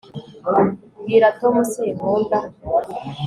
bwira tom sinkunda